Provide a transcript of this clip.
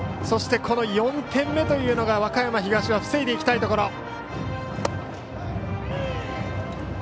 そしてこの４点目というのを和歌山東は防いでいきたいところ。